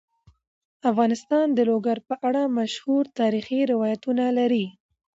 افغانستان د لوگر په اړه مشهور تاریخی روایتونه لري.